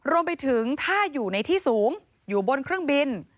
รวมไปถึงถ้าอยู่ในที่สูงอยู่บนเครื่องบิน